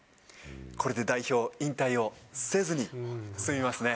これで代表引退をせずに済みます